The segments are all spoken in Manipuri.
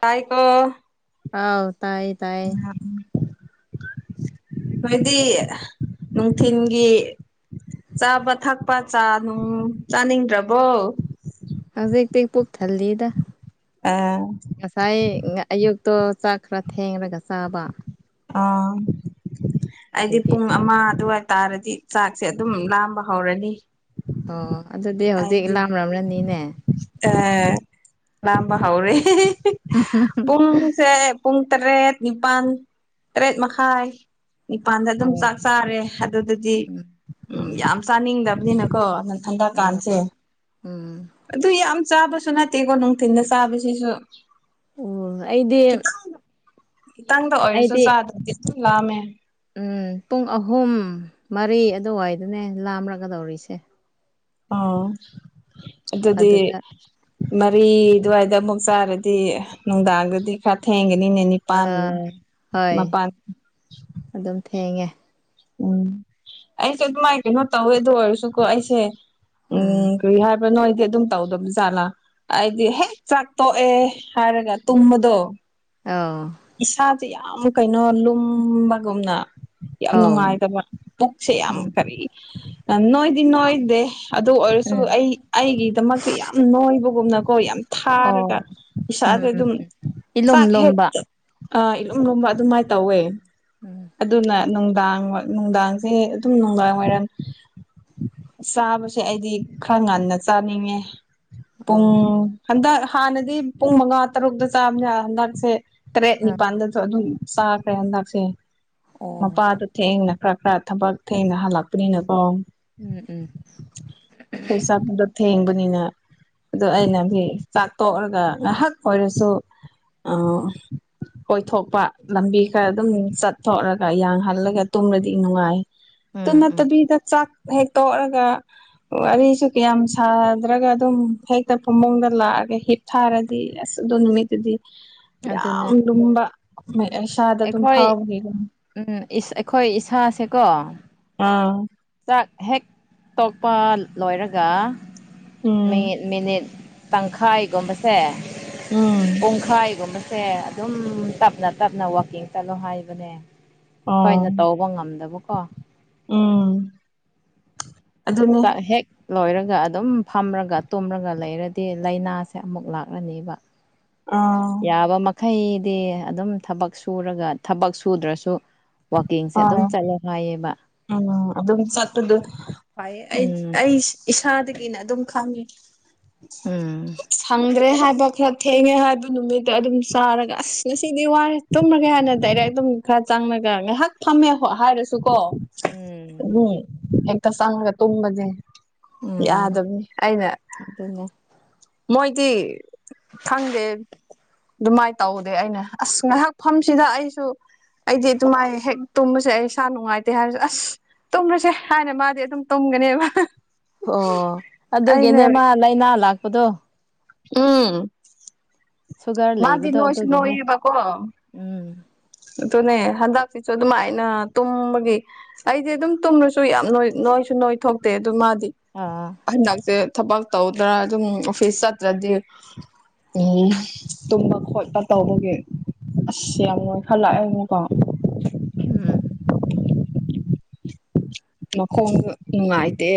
ꯇꯥꯏ ꯀꯣ ꯑꯥꯎ ꯇꯥꯏꯌꯦ ꯇꯥꯏꯌꯦ ꯈꯣꯏꯗꯤ ꯅꯨꯡꯊꯤꯟꯒꯤ ꯆꯥꯕ ꯊꯛꯄ ꯆꯥꯅꯨꯡ ꯆꯥꯅꯤꯡꯗ꯭ꯔꯕꯣ ꯍꯧꯖꯤꯛꯇꯤ ꯄꯨꯛ ꯊꯜꯂꯤꯗ ꯑꯥ ꯉꯁꯥꯏ ꯑꯌꯨꯛ ꯇꯣ ꯆꯥꯛ ꯈ꯭ꯔ ꯊꯦꯡꯔꯒ ꯆꯥꯕ ꯑ ꯑꯩꯗꯤ ꯑꯗꯒꯤ ꯄꯨꯡ ꯑꯃ ꯑꯗꯨꯋꯥꯏ ꯇꯥꯔꯗꯤ ꯆꯥꯛꯁꯦ ꯑꯗꯨꯝ ꯂꯥꯝꯕ ꯍꯧꯔꯅꯤ ꯑꯣ ꯑꯗꯨꯗꯤ ꯍꯧꯖꯤꯛ ꯏꯂꯥꯝ ꯂꯥꯝꯔꯅꯤꯅꯦ ꯑꯦ ꯂꯥꯝꯕ ꯍꯥꯎꯔꯦ ꯄꯨꯡꯁꯦ ꯄꯨꯡ ꯇꯔꯦꯠ ꯅꯤꯄꯥꯟ ꯇꯔꯦꯠ ꯃꯈꯥꯏ ꯅꯤꯄꯥꯟꯗ ꯑꯗꯨꯝ ꯑꯣ ꯆꯥꯛ ꯆꯥꯔꯦ ꯑꯗꯨꯗꯨꯗꯤ ꯎꯝ ꯎꯝ ꯌꯥꯝ ꯆꯥꯅꯤꯡꯗ꯭ꯕꯅꯤꯅꯀꯣ ꯑꯥ ꯊꯟꯗꯀꯥꯟꯁꯦ ꯎꯝ ꯑꯗꯨ ꯌꯥꯝ ꯆꯥꯕꯁꯨ ꯅꯠꯇꯦꯀꯣ ꯅꯨꯡꯊꯤꯟꯗ ꯆꯥꯕꯁꯤꯁꯨ ꯎ ꯑꯩꯗꯤ ꯈꯤꯇꯪ ꯈꯤꯇꯪꯗ ꯑꯣꯏꯔꯁꯨ ꯑꯩꯗꯤ ꯆꯥꯗ꯭ꯔꯗꯤ ꯑꯗꯨꯝ ꯂꯥꯝꯃꯦ ꯎꯝ ꯄꯨꯡ ꯑꯍꯨꯝ ꯃꯔꯤ ꯑꯗꯨꯋꯥꯏꯗꯅꯦ ꯂꯥꯝꯔꯒꯗꯧꯔꯤꯁꯦ ꯑꯣ ꯑꯗꯨꯗꯤ ꯑꯗꯨꯗ ꯃꯔꯤ ꯑꯗꯨꯋꯥꯏꯗ ꯑꯃꯨꯛ ꯆꯥꯔꯗꯤ ꯅꯨꯡꯗꯥꯡꯗꯗꯤ ꯈꯔ ꯊꯦꯡꯒꯦ ꯅꯤꯅꯦ ꯅꯤꯄꯥꯟ ꯑꯥ ꯍꯣꯏ ꯃꯥꯄꯥꯟ ꯑꯗꯨꯝ ꯊꯦꯡꯉꯦ ꯎꯝ ꯑꯩꯁꯨ ꯑꯗꯨꯃꯥꯏꯅ ꯀꯩꯅꯣ ꯇꯧꯋꯦ ꯑꯣꯏꯔꯁꯨꯀꯣ ꯑꯩꯁꯦ ꯎꯝ ꯀꯔꯤ ꯍꯥꯏꯕꯅꯣ ꯑꯩꯗꯤ ꯑꯗꯨꯝ ꯇꯧꯗꯕ ꯖꯥꯠꯂꯥ ꯑꯩꯗꯤ ꯍꯦꯛ ꯆꯥꯛ ꯇꯣꯛꯑꯦ ꯍꯥꯏꯔꯒ ꯇꯨꯝꯕꯗꯣ ꯑꯧ ꯏꯁꯥꯥꯁꯦ ꯌꯥꯝ ꯀꯩꯅꯣ ꯂꯨꯝꯕꯒꯨꯝꯅ ꯌꯥꯝ ꯑꯧ ꯅꯨꯡꯉꯥꯏꯇꯕ ꯄꯨꯛꯁꯦ ꯌꯥꯝ ꯎꯝ ꯀꯔꯤ ꯅꯣꯏꯗꯤ ꯅꯣꯏꯗꯦ ꯑꯗꯨ ꯑꯣꯏꯔꯁꯨ ꯎꯝ ꯑꯩ ꯑꯩꯒꯤꯗꯃꯛꯇ ꯌꯥꯝ ꯅꯣꯏꯕꯒꯨꯝꯅꯀꯣ ꯌꯥꯝ ꯑꯣ ꯊꯥꯔꯒ ꯎꯝ ꯏꯁꯥꯥꯁꯦ ꯎꯝ ꯑꯗꯨꯝ ꯏꯂꯨꯝ ꯆꯥꯛ ꯍꯦꯛ ꯂꯨꯝꯕ ꯑ ꯏꯂꯨꯝ ꯂꯨꯝꯕ ꯑꯗꯨꯃꯥꯏ ꯇꯧꯋꯦ ꯎꯝ ꯑꯗꯨꯅ ꯅꯨꯡꯗꯥꯡ ꯋꯥꯏ ꯅꯨꯡꯗꯥꯡꯁꯦ ꯑꯗꯨꯝ ꯅꯨꯡꯗꯥꯡ ꯋꯥꯏꯔꯝ ꯆꯥꯕꯁꯦ ꯑꯩꯗꯤ ꯈꯔ ꯉꯟꯅ ꯆꯥꯅꯤꯡꯉꯦ ꯄꯨꯡ ꯑꯣ ꯍꯟꯗꯛ ꯍꯥꯟꯅꯗꯤ ꯄꯨꯡ ꯃꯉꯥ ꯇꯔꯨꯛꯇ ꯆꯥꯝꯅꯦ ꯍꯟꯗꯛꯁꯦ ꯇꯔꯦꯠ ꯑ ꯅꯤꯄꯥꯟꯗꯁꯨ ꯑꯗꯨꯝ ꯆꯥꯈ꯭ꯔꯦ ꯍꯟꯗꯛꯁꯦ ꯑꯣ ꯃꯄꯥꯗꯣ ꯊꯦꯡꯅ ꯈꯔ ꯈꯔ ꯊꯕꯛ ꯊꯦꯡꯅ ꯍꯜꯂꯛꯄꯅꯤꯅꯀꯣ ꯎꯝ ꯎꯝ ꯑꯩꯈꯣꯏ ꯆꯥꯛꯄꯗꯣ ꯊꯦꯡꯕꯅꯤꯅ ꯑꯗꯣ ꯑꯩꯅꯗꯤ ꯆꯥꯠꯇꯣꯛꯔꯒ ꯉꯥꯍꯥꯛ ꯑꯣꯏꯔꯁꯨ ꯑꯥ ꯀꯣꯏꯊꯣꯛꯄ ꯂꯝꯕꯤ ꯈꯔ ꯑꯗꯨꯝ ꯆꯠꯊꯣꯛꯔꯒ ꯌꯥꯡꯍꯜꯂꯒ ꯇꯨꯝꯔꯗꯤ ꯅꯨꯡꯉꯥꯏ ꯎꯝ ꯎꯝ ꯇꯨꯅꯠꯇꯕꯤꯗ ꯆꯥꯛ ꯍꯦꯛꯇꯣꯛꯑꯒ ꯋꯥꯔꯤꯁꯨ ꯀꯌꯥꯝ ꯁꯥꯗ꯭ꯔꯒ ꯑꯗꯨꯝ ꯍꯦꯛꯇ ꯐꯃꯨꯡꯗ ꯂꯥꯛꯑ ꯍꯤꯞꯊꯔꯗꯤ ꯑꯁ ꯑꯗꯨ ꯅꯨꯃꯤꯠꯇꯨꯗꯤ ꯑꯗꯨꯅꯦ ꯌꯥꯝ ꯂꯨꯝꯕ ꯏꯁꯥꯗ ꯑꯗꯨꯝ ꯑꯩꯈꯣꯏ ꯐꯥꯎꯒꯤ ꯎꯝ ꯏꯁ ꯑꯩꯈꯣꯏ ꯏꯁꯥꯁꯦꯀꯣ ꯑꯥ ꯆꯥꯛ ꯍꯦꯛ ꯇꯣꯛꯄ ꯂꯣꯏꯔꯒ ꯎꯝ ꯃꯤ ꯃꯤꯅꯤꯠ ꯇꯪꯈꯥꯏꯒꯨꯝꯕꯁꯦ ꯎꯝ ꯄꯨꯡꯈꯥꯏ ꯒꯨꯝꯕ ꯁꯦ ꯑꯗꯨꯝ ꯇꯞꯅ ꯇꯞꯅ ꯋꯥꯛꯀꯤꯡ ꯆꯠꯂꯣ ꯍꯥꯏꯕꯅꯦ ꯈꯣꯏꯅ ꯑꯥ ꯇꯧꯕ ꯉꯝꯗꯕꯀꯣ ꯎꯝ ꯑꯗꯨꯅꯦ ꯆꯥꯛ ꯍꯦꯛ ꯂꯣꯏꯔꯒ ꯑꯗꯨꯝ ꯐꯝꯔꯒ ꯇꯨꯝꯂꯒ ꯂꯩꯔꯗꯤ ꯂꯩꯅꯥꯁꯦ ꯑꯃꯨꯛ ꯂꯥꯛꯔꯅꯤꯕ ꯑꯥ ꯌꯥꯕ ꯃꯈꯩꯗꯤ ꯑꯗꯨꯝ ꯊꯕꯛ ꯁꯨꯔꯒ ꯊꯕꯛ ꯁꯨꯗ꯭ꯔꯁꯨ ꯋꯥꯀꯤꯡꯁꯦ ꯑꯗꯨꯝ ꯑꯥ ꯆꯠꯂꯣ ꯍꯥꯏꯌꯦꯕ ꯎꯝ ꯑꯗꯨꯝ ꯆꯠꯄꯗꯣ [unintelligible] ꯌꯦ ꯑꯩ ꯎꯝ ꯑꯩꯁ ꯏꯁꯥꯗꯒꯤꯅ ꯑꯗꯨꯝ ꯈꯪꯉꯤ ꯎꯝ ꯁꯪ ꯗ꯭ꯔꯦ ꯍꯥꯏꯕ ꯈ꯭ꯔ ꯊꯦꯡꯉꯦ ꯍꯥꯏꯕ ꯅꯨꯃꯤꯠꯇ ꯑꯗꯨꯝ ꯆꯥꯔꯒ ꯑꯁ ꯉꯁꯤꯗꯤ ꯋꯥꯔꯦ ꯇꯨꯝꯔꯒꯦ ꯍꯥꯏꯅ ꯗꯥꯏꯔꯦꯛ ꯇꯨꯝ ꯈ꯭ꯔ ꯆꯪꯉꯒ ꯉꯥꯏꯍꯥꯛ ꯐꯝꯃꯦ ꯍꯥꯏꯔꯁꯨ ꯀꯣ ꯎꯝ [unintelligible] ꯍꯦꯛꯇ ꯆꯪꯔꯒ ꯇꯨꯝꯕꯁꯦ ꯎꯝ ꯌꯥꯗꯝꯅꯤ ꯑꯩꯅ ꯑꯗꯨꯅꯦ ꯃꯣꯏꯗꯤ ꯈꯪꯗꯦ ꯑꯗꯨꯃꯥꯏ ꯇꯧꯗꯦ ꯑꯩꯅ ꯑꯁ ꯉꯥꯏꯍꯥꯛꯐꯝꯁꯤꯗ ꯑꯩꯁꯨ ꯑꯩꯗꯤ ꯑꯗꯨꯃꯥꯏ ꯍꯦꯛ ꯇꯨꯝꯕꯁꯦ ꯑꯩ ꯏꯁꯥ ꯅꯨꯡꯉꯥꯏꯇꯦ ꯍꯥꯏꯕꯁꯦ ꯑꯁ ꯇꯨꯝꯔꯁꯦ ꯍꯥꯏꯅ ꯃꯥꯗꯤ ꯑꯗꯨꯝ ꯇꯨꯝ ꯒꯅꯤꯕ ꯑꯣ ꯑꯗꯨꯒꯤꯅꯦ ꯃꯥ ꯂꯩꯅꯥ ꯂꯥꯛꯄꯗꯣ ꯎꯝ ꯁꯨꯒꯔ ꯃꯥꯗꯤ ꯂꯩꯕꯗꯣ ꯅꯣꯏꯁꯨ ꯑꯗꯨꯒꯤꯅꯦ ꯅꯣꯏꯌꯦꯕ ꯀꯣ ꯎꯝ ꯑꯗꯨꯅꯦ ꯍꯟꯗꯛꯁꯤꯁꯨ ꯑꯗꯨꯃꯥꯏꯅ ꯇꯨꯝꯕꯒꯤ ꯑꯩꯗꯤ ꯑꯗꯨꯝ ꯇꯨꯝꯔꯁꯨ ꯌꯥꯝ ꯅꯣꯏ ꯅꯣꯏꯁꯨ ꯅꯣꯏ ꯊꯣꯛꯇꯦ ꯑꯗꯨ ꯃꯥꯗꯤ ꯑꯥ ꯍꯟꯗꯛꯁꯦ ꯊꯕꯛ ꯇꯧꯗ꯭ꯔꯥ ꯑꯗꯨꯝ ꯑꯣꯐꯤꯁ ꯆꯠꯇ꯭ꯔꯗꯤ ꯎꯝ ꯇꯨꯝꯕ ꯈꯣꯠꯄ ꯇꯧꯕꯒꯤ ꯑꯁ ꯌꯥꯝ [unintelligible] [unintelligible] ꯎꯝ [inaudible] ꯃꯈꯣꯡ ꯅꯨꯡꯉꯥꯏꯇꯦ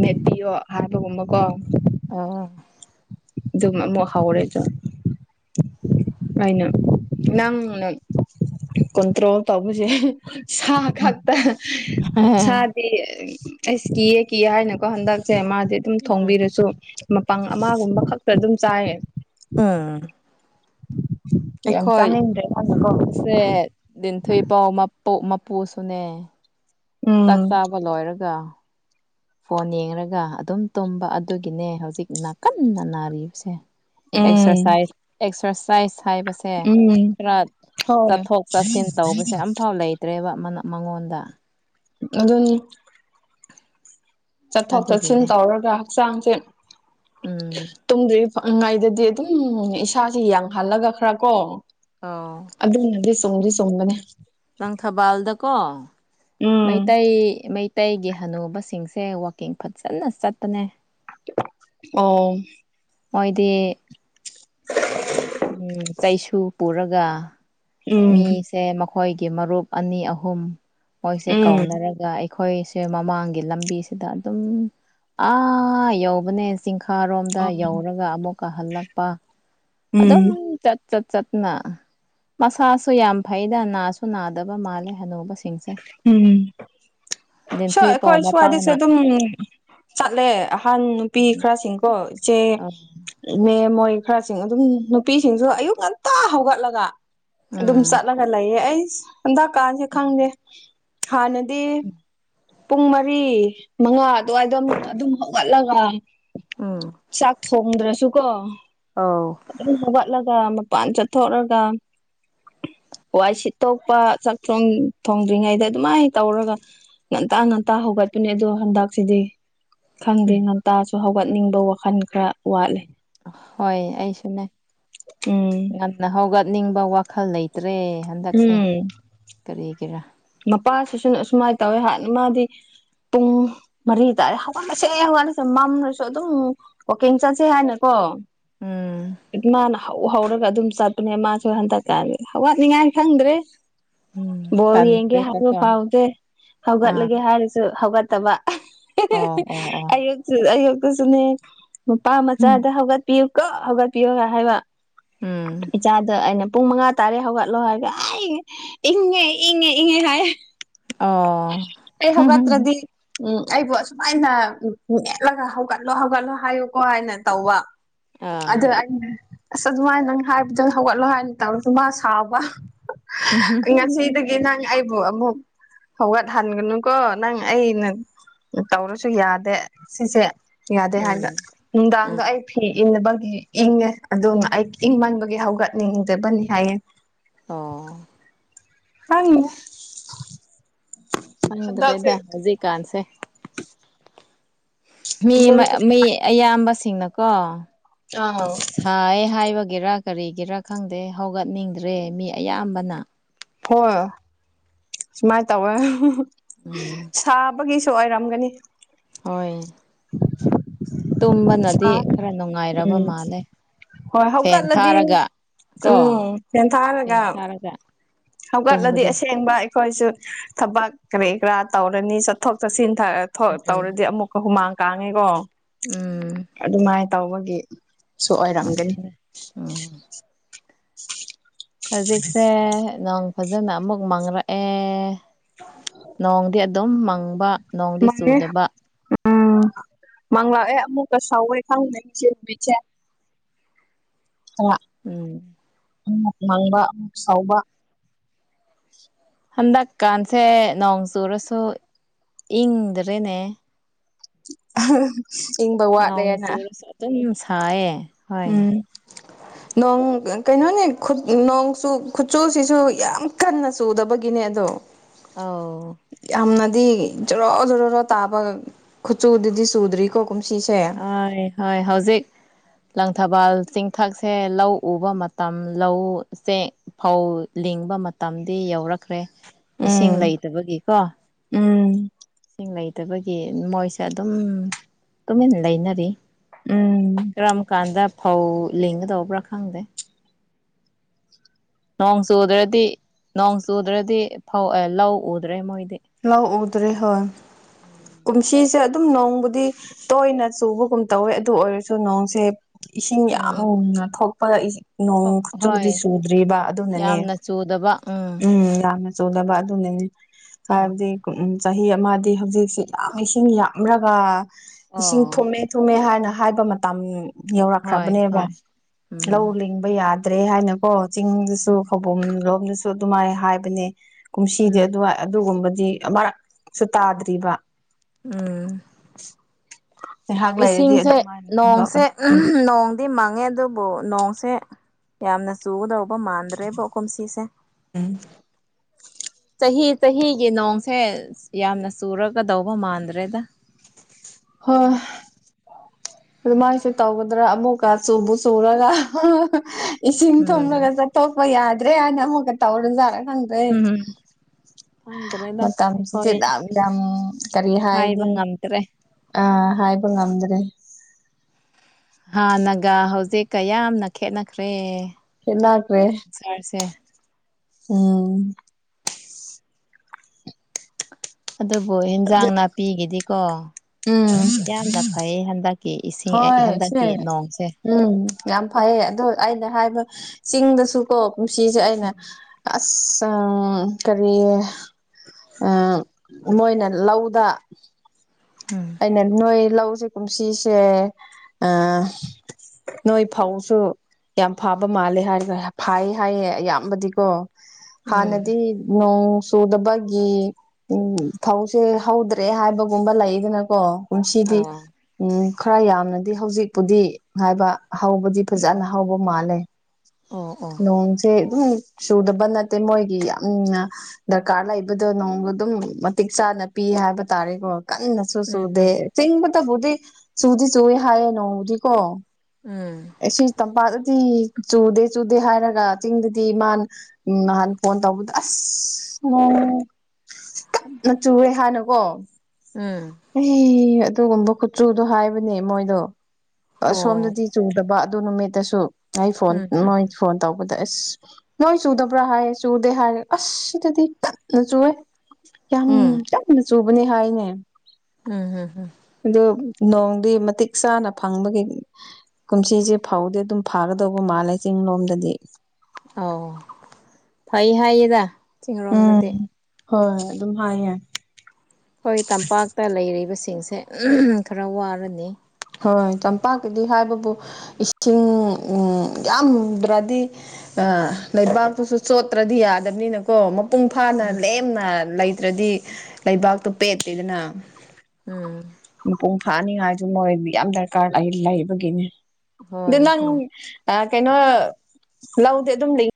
ꯃꯦꯠꯄꯤꯌꯣ ꯍꯥꯏꯕꯒꯨꯝꯕꯀꯣ ꯑꯣꯑꯣ ꯑꯗꯨꯝ ꯑꯃꯨꯛ ꯍꯧꯔꯦ ꯇ ꯑꯩꯅ ꯅꯪꯅ ꯀꯣꯟꯇ꯭ꯔꯣꯜ ꯇꯧꯕꯁꯦ ꯎꯝ ꯁꯥꯈꯛꯇ ꯁꯥꯗꯤ ꯑꯩꯁ ꯀꯤꯌꯦ ꯀꯤꯌꯦ ꯍꯥꯏꯅꯀꯣ ꯍꯟꯗꯛꯁꯦ ꯃꯥꯁꯦ ꯗꯨꯝ ꯎꯝ ꯊꯣꯡꯕꯤꯔꯁꯨ ꯃꯄꯥꯡ ꯑꯃꯒꯨꯝꯕ ꯈꯛꯇ ꯗꯨꯝ ꯆꯥꯏꯌꯦ ꯌꯥꯝ ꯑꯩꯈꯣꯏ ꯆꯥꯅꯤꯡꯗ꯭ꯔꯦ ꯃꯥꯅꯀꯣ ꯑꯁꯦ ꯗꯤꯟꯊꯣꯏꯄꯥꯎ ꯃꯞ ꯃꯄꯨ ꯃꯄꯨꯁꯨꯅꯦ ꯆꯥꯛ ꯎꯝ ꯆꯥꯕ ꯂꯣꯏꯔꯒ ꯐꯣꯟ ꯌꯦꯡꯔꯒ ꯑꯗꯨꯝ ꯇꯨꯝꯕ ꯑꯗꯨꯒꯤꯅꯦ ꯍꯧꯖꯤꯛꯅ ꯀꯟꯅ ꯅꯥꯔꯤꯕꯁꯦ ꯎꯝ ꯑꯦꯛꯁ꯭ꯔꯁꯥꯏ ꯑꯦꯛꯁ꯭ꯔꯁꯥꯏ ꯍꯥꯏꯕꯁꯦ ꯎꯝ ꯈꯔ ꯍꯣꯏ ꯆꯠꯊꯣꯛ ꯆꯠꯁꯤꯟ ꯇꯧꯕꯁꯦ ꯑꯝꯐꯥꯎ ꯂꯩꯇ꯭ꯔꯦꯕ ꯃꯥꯅ ꯃꯉꯣꯟꯗ ꯑꯗꯨꯅꯤ ꯆꯠꯊꯣꯛ ꯆꯠꯁꯤꯟ ꯑꯗꯨꯒꯤꯅꯦ ꯇꯧꯔꯒ ꯍꯛꯆꯥꯡꯁꯦ ꯎꯝ ꯇꯨꯝꯗ꯭ꯔꯤ ꯉꯥꯏꯗꯗꯤ ꯑꯗꯨꯝ ꯏꯁꯥꯥꯁꯤ ꯌꯥꯡꯍꯜꯂꯒ ꯈꯔ ꯀꯣ ꯑꯣ ꯑꯗꯨ ꯅꯗꯤ ꯆꯨꯝꯗꯤ ꯆꯨꯝꯕꯅꯦ ꯂꯪꯊꯕꯥꯜꯗꯀꯣ ꯎꯝ ꯃꯩꯇꯩ ꯃꯩ ꯇꯩꯒꯤ ꯍꯅꯨꯕꯁꯤꯡꯁꯦ ꯋꯥꯛꯀꯤꯡ ꯐꯖꯟꯅ ꯆꯠꯄꯅꯦ ꯑꯣ ꯃꯣꯏꯗꯤ [unintelligible] ꯒ ꯎꯝ ꯃꯤꯁꯦ ꯃꯈꯣꯏꯒꯤ ꯃꯔꯨꯞ ꯑꯅꯤ ꯑꯍꯨꯝ ꯃꯣꯏꯁꯦ ꯎꯝ ꯀꯧꯅꯔꯒ ꯑꯩ ꯑꯩꯈꯣꯏꯁꯦ ꯃꯃꯥꯡꯒꯤ ꯂꯝꯕꯤꯁꯤꯗ ꯑꯗꯨꯝ ꯑꯥ ꯌꯧꯕꯅꯦ ꯆꯤꯡꯈꯥꯔꯣꯝꯗ ꯑꯣ ꯌꯧꯔꯒ ꯑꯃꯨꯛꯀ ꯍꯜꯂꯛꯄ ꯑꯗꯨꯝ ꯎꯝ ꯆꯠ ꯆꯠꯅ ꯃꯁꯥꯁꯨ ꯌꯥꯝ ꯐꯩꯗ ꯅꯥꯁꯨ ꯅꯥꯗꯕ ꯃꯥꯜꯂꯦ ꯍꯥꯅꯧꯕꯁ ꯎꯝ ꯁꯣꯏ ꯂꯤꯟꯊꯨꯏ ꯄꯥꯎ ꯑꯩꯈꯣꯏ ꯁ꯭ꯋꯥꯏꯗꯩꯁꯨ ꯃꯄꯥꯅ ꯑꯗꯨꯝ ꯆꯠꯂꯦ ꯑꯍꯟ ꯅꯨꯄꯤ ꯈ꯭ꯔꯁꯤꯡꯀꯣ ꯏꯆꯦ ꯑꯧ ꯏꯅꯦ ꯃꯣꯏ ꯈꯔꯁꯤꯡ ꯑꯗꯨꯝ ꯅꯨꯄꯤꯁꯤꯡꯁꯨ ꯑꯌꯨꯛ ꯉꯟꯇꯥ ꯍꯧꯒꯠꯂꯒ ꯑꯗꯨꯝ ꯎꯝ ꯆꯠꯂꯒ ꯂꯩꯌꯦ ꯑꯩ ꯍꯟꯗꯀꯥꯁꯦ ꯈꯪꯗꯦ ꯍꯥꯟꯅꯗꯤ ꯄꯨꯡ ꯃꯔꯤ ꯃꯉꯥ ꯑꯗꯨꯋꯥꯏꯗ ꯑꯗꯨꯝ ꯍꯧꯒꯠꯂꯒ ꯎꯝ ꯆꯥꯛ ꯊꯣꯡꯗ꯭ꯔꯁꯨ ꯀꯣ ꯑꯧ ꯑꯗꯨꯝ ꯍꯧꯒꯠꯂꯒ ꯃꯄꯥꯟ ꯆꯠꯊꯣꯛꯔꯒ ꯋꯥꯏ ꯁꯤꯠꯇꯣꯛꯄ ꯆꯥꯛ ꯊꯣꯡ ꯊꯣꯡꯗ꯭ꯔꯤꯉꯩꯗ ꯑꯗꯨꯃꯥꯏ ꯇꯧꯔꯒ ꯉꯟꯇꯥ ꯉꯟꯇꯥ ꯍꯧꯒꯠꯄꯅꯦ ꯑꯗꯣ ꯍꯟꯗꯛꯁꯤꯗꯤ ꯈꯪꯗꯦ ꯎꯝ ꯉꯟꯇꯥꯁꯨ ꯍꯧꯒꯠ ꯆꯠꯅꯤꯡꯕ ꯋꯥꯈꯟ ꯈꯔ ꯋꯥꯠꯂꯦ ꯍꯣꯏ ꯑꯩꯁꯨꯅꯦ ꯎꯝ ꯉꯟꯅ ꯍꯧꯒꯠꯅꯤꯡꯕ ꯋꯥꯈꯜ ꯂꯩꯇ꯭ꯔ ꯇꯦ ꯍꯟꯗꯛꯁꯦ ꯀꯔꯤꯒꯤꯔꯥ ꯅꯨꯄꯥꯁꯤꯁꯨꯟ ꯑꯁꯨꯃꯥꯏ ꯇꯧꯋꯦ ꯍꯥ ꯃꯥꯗꯤ ꯄꯨꯡ ꯃꯔꯤ ꯇꯥꯔꯦ ꯍꯧꯒꯠꯂꯁꯦ ꯍꯧꯒꯠꯂꯁꯦ ꯃꯝꯔꯁꯨ ꯑꯗꯨꯝ ꯋꯥꯛꯀꯤꯡ ꯆꯠꯁꯦ ꯍꯥꯏꯅꯀꯣ ꯎꯝ ꯏꯃꯥꯅ ꯍꯧ ꯎꯍꯧꯔꯒ ꯑꯗꯨꯝ ꯆꯠꯄꯅꯦ ꯃꯥꯁꯨ ꯍꯟꯗꯛ ꯀꯥꯟ ꯍꯧꯒꯠꯅꯤꯡꯉꯥꯏ ꯈꯪꯗ꯭ꯔꯦ ꯎꯝ ꯇꯟ [unintelligible] ꯄꯥꯎꯗꯦ ꯍꯧꯒꯠꯂꯒꯦ ꯍꯥꯏꯔꯁꯨ ꯍꯧꯒꯠꯇꯕ ꯑꯣ ꯑꯣ ꯑꯣ [unintelligible] ꯑꯌꯨꯛ ꯑꯌꯨꯛꯇꯨꯁꯨꯅꯦ ꯃꯄꯥ ꯎꯝ ꯃꯆꯥꯗ ꯍꯧꯒꯠꯄꯤꯌꯨ ꯀꯣ ꯍꯧꯒꯠꯄꯤꯌꯣꯒ ꯍꯥꯏꯕ ꯎꯝ ꯏꯆꯥꯗ ꯑꯩꯅ ꯄꯨꯡ ꯃꯉꯥ ꯇꯥꯔꯦ ꯍꯧꯒꯠꯂꯣ ꯍꯥꯏꯒ ꯑꯩ ꯏꯪꯉꯦ ꯏꯪꯉꯦ ꯏꯪꯉꯦ ꯍꯥꯏ ꯑꯣ ꯑꯩ ꯍꯧꯒꯠꯇ꯭ꯔꯗꯤ [unintelligible] ꯎꯝ ꯑꯩꯕꯨ ꯑꯁꯨꯃꯥꯏꯅ ꯃꯦꯠꯂꯒ ꯍꯧꯒꯠꯂꯣ ꯍꯧꯒꯠꯂꯣ ꯍꯥꯏꯌꯨꯀꯣ ꯍꯥꯏꯅ ꯇꯧꯕ ꯑꯗꯨ ꯑꯩꯅ ꯑꯁ ꯑꯗꯨꯃꯥꯏ ꯅꯪ ꯍꯥꯏꯕꯗ ꯍꯧꯒꯠꯂꯣ ꯍꯥꯏꯅ ꯇꯧꯔꯁꯨ ꯃꯥ ꯁꯥꯥꯎꯕ ꯉꯁꯤꯗꯒꯤ ꯅꯪ ꯑꯩꯕꯨ ꯑꯃꯨꯛ ꯍꯧꯒꯠꯍꯟꯒꯅꯨꯀꯣ ꯅꯪ ꯑꯩꯅ ꯇꯧꯔꯁꯨ ꯌꯥꯗꯦ ꯁꯤꯁꯦ ꯌꯥꯗꯦ ꯍꯥꯏꯔꯕ ꯎꯝ ꯅꯨꯡꯗꯥꯡꯒ ꯑꯩ ꯐꯤ ꯏꯟꯅꯕꯒꯤ ꯏꯪꯉꯦ ꯑꯗꯨꯃ ꯑꯩ ꯏꯪꯃꯟꯕꯒꯤ ꯍꯧꯒꯠꯅꯤꯡꯗꯕꯅꯤ ꯍꯥꯏꯌꯦ ꯑꯣ [unintelligible] ꯍꯟꯗꯛꯁꯦ ꯍꯪꯗ꯭ꯔꯦꯗ ꯍꯧꯖꯤ ꯀꯥꯟꯁꯦ ꯃꯤ ꯏꯃꯨꯡ ꯑꯃ ꯃꯤ ꯈꯨꯗꯤꯡꯃꯛ ꯑꯌꯥꯝꯕꯁꯤꯡꯅꯀꯣ ꯑꯥ ꯁꯥꯌꯦ ꯍꯥꯏꯕꯒꯤꯔ ꯀꯔꯤꯒꯤꯔꯥ ꯈꯪꯗꯦ ꯍꯧꯒꯠꯅꯤꯡꯗ꯭ꯔꯦ ꯃꯤ ꯑꯌꯥꯝꯕꯅ ꯍꯣꯏ ꯁꯨꯃꯥꯏꯅ ꯇꯧꯋꯦ ꯎꯝ ꯁꯥꯕꯒꯤ ꯁꯨ ꯑꯣꯏꯔꯝꯒꯅꯤ ꯍꯣꯏ ꯁꯥ ꯇꯨꯝꯕꯅꯗꯤ ꯈꯔ ꯅꯨꯡꯉꯥꯏꯔꯕ ꯎꯝ ꯃꯥꯜꯂꯦ ꯍꯣꯏ ꯐꯦꯟ ꯍꯧꯒꯠꯂꯗꯤ ꯊꯥꯔꯒ ꯀꯣ ꯎꯝ ꯐꯦꯟ ꯊꯥꯔꯒ ꯐꯦꯟ ꯊꯥꯔꯒ ꯍꯧꯒꯠꯂꯗꯤ ꯇꯨꯝꯕꯗꯣ ꯑꯁꯦꯡꯕ ꯑꯩꯈꯣꯏꯁꯨ ꯊꯕꯛ ꯀꯔꯤ ꯀꯔꯥ ꯇꯧꯔꯅꯤ ꯆꯠꯊꯣꯛ ꯆꯠꯁꯤꯟ ꯎꯝ ꯇꯧꯔꯗꯤ ꯑꯃꯨꯛꯀ ꯍꯨꯃꯥꯡ ꯀꯥꯡꯉꯤꯀꯣ ꯎꯝ ꯑꯗꯨꯃꯥꯏꯅ ꯇꯧꯕꯒꯤꯁꯨ ꯑꯣꯏꯔꯝꯒꯅꯤ ꯑꯗꯨꯅꯦ ꯎꯝ ꯍꯧꯖꯤꯛꯁꯦ ꯅꯣꯡ ꯐꯖꯅ ꯑꯃꯨꯛ ꯃꯥꯡꯔꯛꯑꯦ ꯅꯣꯡꯗꯤ ꯑꯗꯨꯝ ꯃꯪꯕ ꯅꯣꯡꯗꯤ ꯆꯨꯗꯕ ꯎꯝ ꯃꯥꯡꯂꯛꯑꯦ ꯑꯃꯨꯛꯀ ꯁꯥꯎꯋꯦ ꯈꯪꯗ ꯏꯆꯦ ꯅꯨꯃꯤꯠꯁꯦ ꯎꯝ ꯅꯣꯡ ꯃꯪꯕ ꯑꯃꯨꯛ ꯁꯥꯎꯕ ꯍꯟꯗꯛꯀꯥꯟꯁꯦ ꯅꯣꯡ ꯆꯨꯔꯁꯨ ꯏꯪꯗ꯭ꯔꯦꯅꯦ [inaudible] ꯅꯣꯡ ꯋꯥꯠꯂꯦꯅ ꯆꯨꯔꯁꯨ ꯑꯗꯨꯝ ꯁꯥꯏꯌꯦ ꯍꯣꯏ ꯎꯝ [inaudible] ꯅꯣꯡ ꯀꯩꯅꯣꯅꯦ ꯅꯣꯡꯆ ꯈꯨꯠꯁꯨꯨꯁꯤꯁꯨ ꯌꯥꯝ ꯀꯟꯅ ꯆꯨꯗꯕꯒꯤꯅꯦ ꯑꯗꯣ ꯑꯥꯎ ꯗꯤ ꯖꯣꯔꯣ ꯖꯣꯔꯣꯔꯣ ꯇꯥꯕꯒ ꯈꯨꯠꯆꯨꯗꯗꯤ ꯁꯨꯗ꯭ꯔꯤ ꯀꯣ ꯍꯣꯏ ꯍꯣꯏ ꯍꯧꯖꯤꯛ ꯂꯪꯊꯕꯥꯜ ꯆꯤꯡꯊꯛꯁꯦ ꯂꯧ ꯎꯕ ꯃꯇꯝ ꯂꯧ ꯆꯦꯛ ꯐꯧ ꯂꯤꯡ ꯃꯇꯝꯗꯤ ꯌꯧꯔꯛꯈ꯭ꯔꯦ ꯏꯁꯤꯡ ꯎꯝ ꯂꯩꯇꯕꯒꯤ ꯀꯣ ꯎꯝ ꯏꯁꯤꯡ ꯂꯩꯇꯕꯒꯤ ꯃꯣꯏꯁꯦ ꯑꯗꯨꯝ ꯇꯨꯃꯤꯟꯅ ꯂꯩꯅꯔꯤ ꯎꯝ ꯀꯔꯝꯀꯥꯟꯗ ꯐꯥꯎ ꯂꯤꯡꯒꯗꯥꯧꯕꯔ ꯈꯪꯗꯦ ꯅꯣꯡ ꯆꯨꯗ꯭ꯔꯗꯤ ꯅꯣꯡ ꯆꯨꯗ꯭ꯔꯗꯤ ꯐꯧ ꯂꯧ ꯎꯗ꯭ꯔꯦ ꯃꯣꯏꯗꯤ ꯂꯧ ꯎꯗ꯭ꯔꯦ ꯍꯣꯏ ꯀꯨꯝꯁꯤꯁꯦ ꯑꯗꯨꯝ ꯅꯣꯡꯕꯨꯗꯤ ꯇꯣꯏꯅ ꯆꯨꯕꯒꯨꯝ ꯇꯧꯋꯦ ꯑꯗꯨ ꯑꯣꯏꯔꯁꯨ ꯅꯣꯡꯁꯦ ꯏꯁꯤꯡ ꯎꯝ ꯌꯥꯝꯅ ꯊꯣꯛꯄ ꯏ ꯅꯣꯡ ꯍꯣꯏ ꯈꯨꯆꯨꯗꯤ ꯆꯨꯗ꯭ꯔꯤꯕ ꯑꯗꯨꯅꯅꯦ ꯌꯥꯝꯅ ꯆꯨꯗꯕ ꯎꯝ ꯌꯥꯝꯅ ꯆꯨꯗꯕꯥ ꯑꯗꯨꯅꯅꯦ ꯎꯝ ꯍꯥꯏꯕꯗꯤ ꯀ ꯎꯝ ꯆꯍꯤ ꯑꯃꯗꯤ ꯍꯧꯖꯤꯛꯁꯤ ꯌꯥꯝ ꯏꯁꯤꯡ ꯌꯥꯝꯂꯒ ꯑꯣ ꯏꯁꯤꯡ ꯊꯨꯝꯃꯦ ꯊꯨꯝꯃꯦ ꯍꯥꯏꯅ ꯍꯥꯏꯕ ꯃꯇꯝ ꯍꯣꯏ ꯌꯧꯔꯛꯈ꯭ꯔꯕꯅꯦꯕ ꯍꯣꯏ ꯎꯝ ꯂꯧ ꯂꯤꯡꯕ ꯌꯥꯗ꯭ꯔꯦ ꯍꯥꯏꯅꯀꯣ ꯎꯝ ꯆꯤꯡꯗꯁꯨ ꯈꯧꯕꯝ ꯂꯣꯝꯗꯁꯨ ꯑꯗꯨꯃꯥꯏꯅ ꯍꯥꯏꯕꯅꯦ ꯀꯨꯝꯁꯤꯗꯤ ꯎꯝ ꯑꯗꯨꯋꯥꯏ ꯑꯗꯨꯒꯨꯝꯕꯗꯤ ꯑꯃꯔꯛꯁꯨ ꯇꯥꯗ꯭ꯔꯤꯕ ꯎꯝ ꯉꯥꯏꯍꯥꯛ ꯂꯩꯔꯗꯤ ꯏꯁꯤꯡꯁꯦ ꯑꯗꯨꯃꯥꯏꯅ ꯅꯣꯡꯁꯦ ꯊꯣꯛꯂꯛꯀꯅꯤ ꯎꯝ ꯅꯣꯡꯗꯤ ꯃꯪꯉꯦ ꯑꯗꯨꯕꯨ ꯅꯣꯡꯁꯦ ꯌꯥꯝꯅ ꯆꯨꯒꯗꯧ ꯕꯣ ꯃꯥꯟꯗ꯭ꯔꯦꯕꯣ ꯀꯨꯝꯁꯤꯁꯦ ꯆꯍꯤ ꯆꯍꯤꯒꯤ ꯅꯣꯡꯁꯦ ꯌꯥꯝꯅ ꯆꯨꯔꯒꯗꯧꯕ ꯃꯥꯟꯗ꯭ꯔꯦꯗ ꯍꯣꯏ ꯑꯗꯨꯃꯥꯏꯅꯁꯨ ꯇꯧꯒꯗ꯭ꯔꯥ ꯑꯃꯨꯛꯀ ꯆꯨꯕꯨ ꯆꯨꯔꯒ ꯏꯁꯤꯡ ꯎꯝ ꯊꯨꯝꯂꯒ ꯆꯠꯇꯣꯛꯄ ꯌꯥꯗ꯭ꯔꯦ ꯍꯥꯢꯅ ꯑꯃꯨꯛꯀ ꯇꯧꯔ ꯖꯥꯠꯔ ꯈꯪꯗ꯭ꯔꯦ ꯎꯝ ꯈꯪꯗ꯭ꯔꯦꯗ ꯃꯇꯝꯁꯤꯁꯦ ꯑꯩꯈꯣꯏ ꯗꯥꯛ ꯌꯥꯝ ꯀꯔꯤ ꯍꯥꯏꯕ ꯍꯥꯏꯅꯤ ꯉꯝꯗ꯭ꯔꯦ ꯑ ꯍꯥꯏꯕ ꯉꯝꯗ꯭ꯔꯦ ꯍꯥꯥꯟꯅꯒ ꯍꯧꯖꯤꯛꯀ ꯌꯥꯝꯅ ꯈꯦꯠꯅꯈ꯭ꯔꯦ ꯈꯦꯠꯅꯈ꯭ꯔꯦ ꯁꯥꯔꯁꯦ ꯎꯝ ꯑꯗꯨꯕꯨ ꯑꯗꯨ ꯍꯦꯟꯖꯥꯡ ꯅꯥꯄꯤꯒꯤꯗꯤꯀꯣ ꯎꯝ ꯌꯥꯝꯅ ꯐꯌꯦ ꯍꯟꯗꯛ ꯍꯣꯏ ꯁꯦ ꯎꯝ ꯌꯥꯝ ꯐꯌꯦ ꯑꯗꯣ ꯑꯩꯅ ꯍꯥꯏꯕ ꯆꯤꯡꯗꯁꯨꯀꯣ ꯄꯨꯟꯁꯤꯁꯦ ꯑꯩꯅ ꯑꯁ ꯎꯝ ꯀꯔꯤ ꯑ ꯃꯣꯏꯅ ꯂꯧꯗ ꯎꯝ ꯑꯩꯅ ꯅꯣꯏ ꯂꯧ ꯖꯨ ꯀꯨꯝꯁꯤꯁꯦ ꯑ ꯅꯣꯏ ꯐꯧꯁꯨ ꯌꯥꯝ ꯐꯥꯕ ꯃꯥꯜꯂꯦ ꯍꯥꯏꯔꯒ ꯐꯥꯌꯦ ꯍꯥꯏꯌꯦ ꯑꯌꯥꯝꯕꯗꯤꯀꯣ ꯎꯝ ꯍꯥꯟꯅꯗꯤ ꯅꯣꯡ ꯆꯨꯗꯕꯒꯤ ꯎꯝ ꯐꯧꯁꯦ ꯍꯧꯗ꯭ꯔꯦ ꯍꯥꯏꯕꯒꯨꯝꯕ ꯂꯩꯌꯦꯗꯅꯀꯣ ꯀꯨꯝꯁꯤꯗꯤ ꯑꯥ ꯎꯝ ꯈꯔ ꯌꯥꯝꯅꯗꯤ ꯍꯧꯖꯤꯛꯄꯨꯗꯤ ꯍꯥꯏꯕ ꯍꯥꯎꯕꯗꯤ ꯎꯝ ꯐꯖꯅ ꯍꯥꯎꯕ ꯃꯥꯜꯂꯦ ꯑꯣ ꯑꯣ ꯅꯣꯡꯁꯦ ꯑꯗꯨꯝ ꯆꯨꯗꯕ ꯅꯠꯇꯦ ꯃꯣꯏꯒꯤ ꯌꯥꯝꯅ ꯗꯔꯀꯥꯔ ꯂꯩꯕꯗꯣ ꯅꯣꯡ ꯑꯗꯨꯝ ꯃꯇꯤꯛ ꯆꯥꯅ ꯄꯤ ꯍꯥꯏꯕ ꯇꯥꯔꯦꯀꯣ ꯀꯟ ꯁꯨ ꯎꯝ ꯍꯝ ꯆꯨꯗꯦ ꯆꯤꯡꯕꯇꯕꯨꯗꯤ ꯆꯨꯗꯤ ꯆꯨꯋꯦ ꯍꯥꯏꯌꯦ ꯅꯣꯡꯗꯤꯀꯣ ꯎꯝ ꯑꯁꯤ ꯇꯝꯄꯥꯛ ꯁꯤ ꯆꯨꯗꯦ ꯆꯨꯗꯦ ꯍꯥꯏꯔꯒ ꯆꯤꯡꯗꯗꯤ ꯃꯥꯥꯟ ꯅꯍꯥꯟ ꯐꯣꯟ ꯇꯧꯕꯗ ꯑꯁ ꯑꯣ ꯀꯟꯅ ꯆꯨꯋꯦ ꯍꯥꯏꯅꯀꯣ ꯎꯝ ꯑꯦ ꯑꯗꯨꯒꯨꯝꯕ ꯈꯨꯠꯆꯨꯗꯣ ꯍꯥꯏꯕꯅꯦ ꯃꯣꯏꯗꯣ ꯑꯣ ꯑꯁꯣꯝꯗꯗꯤ ꯆꯨꯗꯕ ꯑꯗꯨ ꯅꯨꯃꯤꯠꯇꯁꯨ ꯑꯩ ꯐꯣꯟ ꯎꯝ ꯍꯝ ꯃꯣꯏ ꯐꯣꯟ ꯇꯧꯕꯒꯤ ꯗꯤ ꯑꯁ ꯅꯣꯏ ꯆꯨꯗꯕ꯭ꯔꯥ ꯍꯥꯏꯌꯦ ꯆꯨꯗꯦ ꯍꯥꯏꯔꯦ ꯑꯁ ꯑꯗꯨꯗꯤ ꯈꯟꯅ ꯆꯨꯋꯦ ꯌꯥꯝ ꯌꯥꯝꯅ ꯆꯨꯕꯅꯦ ꯍꯥꯏꯅꯦ ꯎꯝꯍꯝꯍꯝ ꯑꯗꯨ ꯅꯣꯡꯗꯤ ꯃꯇꯤꯛ ꯆꯥꯅ ꯐꯪꯕꯒꯤ ꯀꯨꯝꯁꯤꯁꯦ ꯐꯧꯗꯤ ꯑꯗꯨꯝ ꯐꯥꯒꯗꯧꯕ ꯃꯥꯜꯂꯦ ꯆꯤꯡ ꯂꯣꯝꯗꯗꯤ ꯑꯧ ꯐꯩ ꯍꯥꯏꯌꯦꯗ ꯆꯤꯡꯔꯣꯝꯗꯗꯤ ꯍꯣꯢ ꯍꯣꯏ ꯑꯗꯨꯝ ꯍꯥꯏꯌꯦ ꯁꯤꯡꯁꯦ ꯈꯔ ꯋꯥꯔꯅꯤ ꯍꯣꯏ ꯇꯝꯄꯥꯛꯀꯤꯗꯤ ꯍꯥꯏꯕꯕꯨ ꯏꯁꯤꯡ ꯎꯝ ꯌꯥꯝꯗ꯭ꯔꯗꯤ ꯇ ꯂꯩꯕꯥꯛꯇꯨꯁꯨ ꯆꯣꯠꯇ꯭ꯔꯗꯤ ꯌꯥꯗꯝꯅꯤꯅꯀꯣ ꯃ ꯄꯨꯡ ꯐꯥꯅ ꯎꯝ ꯂꯦꯝꯅ ꯂꯩꯇ꯭ꯔꯗꯤ ꯂꯩꯕꯥꯛꯇꯣ ꯄꯦꯠꯇꯦꯗꯅꯥ ꯎꯝ ꯃꯄꯨꯡ ꯐꯥꯅꯤꯉꯥꯏꯖꯨ ꯃꯣꯏꯕꯨ ꯌꯥꯝ ꯗꯔꯀꯥꯔ ꯑꯩ ꯂꯩꯕꯒꯤꯅꯦ ꯑꯗꯣ ꯍꯣꯏ ꯅꯪ ꯍꯣꯏ ꯑ ꯀꯩꯅꯣ ꯂꯧꯗꯤ ꯑꯗꯨꯝ ꯂꯩ